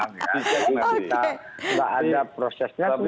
tidak ada prosesnya